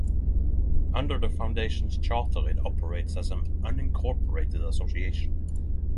Under the Foundation's charter it operates as an unincorporated association.